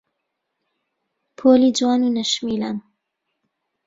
پۆلی جوان و نەشمیلان